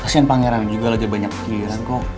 kasian pangeran juga lagi banyak kecil